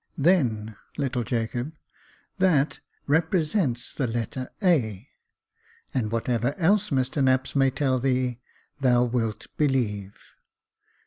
" Then, little Jacob, that represents the letter A, and whatever else Mr Knapps may tell thee, thou wilt believe.